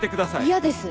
嫌です。